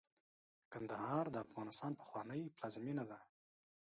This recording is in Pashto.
کندهار د افغانستان پخوانۍ پلازمېنه ده.